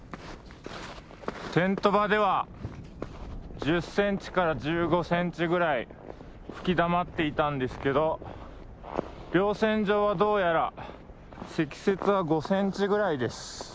テント場では１０センチから１５センチぐらい吹きだまっていたんですけど稜線上はどうやら積雪は５センチぐらいです。